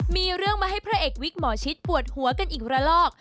มีเรื่องมาให้พระเอกวิกหมอชิดปวดหัวกันอีกระลอก